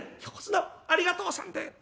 「横綱ありがとうさんで」。